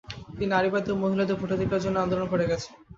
তিনি নারীবাদী ও মহিলাদের ভোটাধিকারের জন্য আন্দোলন করে গেছেন।